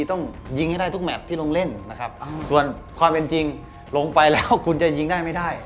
ต้องยิงให้ได้ทุกแมทที่ลงเล่นนะครับส่วนความเป็นจริงลงไปแล้วคุณจะยิงได้ไม่ได้